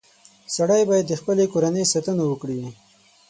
• سړی باید د خپلې کورنۍ ساتنه وکړي.